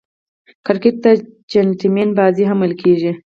کرکټ ته "جېنټلمن بازي" هم ویل کیږي.